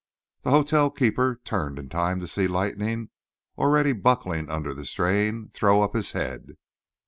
The hotel keeper turned in time to see Lightning, already buckling under the strain, throw up his head.